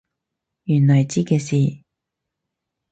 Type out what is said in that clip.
原來知嘅事？